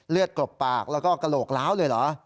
กรบปากแล้วก็กระโหลกล้าวเลยเหรอ